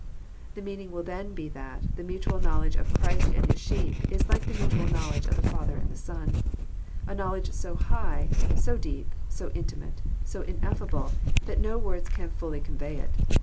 The meaning will then be that the mutual knowledge of Christ and His sheep is like the mutual knowledge of the Father and the Son, — a knowledge so high, so deep, so intimate, so ineffinble, that no words can fully con vey it.